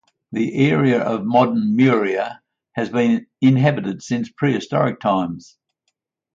The area of modern Miura has been inhabited since prehistoric times.